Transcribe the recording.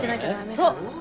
そう。